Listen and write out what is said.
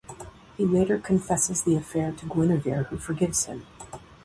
He later confesses the affair to Guinevere, who forgives him.